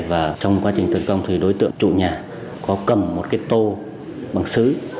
và trong quá trình tấn công thì đối tượng trụ nhà có cầm một cái tô bằng sứ